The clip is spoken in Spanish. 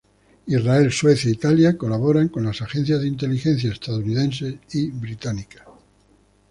Israel, Suecia e Italia colaboran con las agencias de inteligencia estadounidenses y británicas.